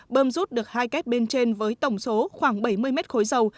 bơm rút được hai két bên trên với tổng số khoảng bảy mươi mét khối dầu